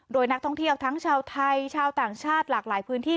โดยนักท่องเที่ยวทั้งชาวไทยชาวต่างชาติหลากหลายพื้นที่